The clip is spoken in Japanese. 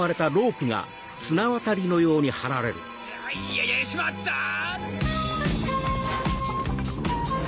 やややしまったぁ！